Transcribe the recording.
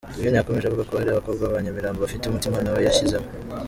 Divine yakomeje avuga ko hari abakobwa ba Nyamirambo bafite umutima nawe yishyizemo.